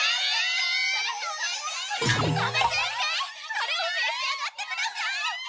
これをめし上がってください！